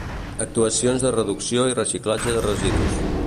Actuacions de reducció i reciclatge de residus.